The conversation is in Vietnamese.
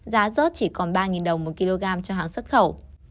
giá rớt chỉ còn ba đồng một kg cho hàng xuất khẩu